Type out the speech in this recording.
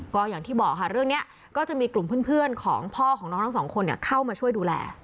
ก็อย่างที่บอกค่ะเรื่องนี้ก็จะมีกลุ่มเพื่อนของพ่อของน้องทั้งสองคนเข้ามาช่วยดูแล